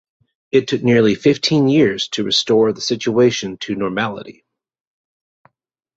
It took nearly fifteen years to restore the situation to normality.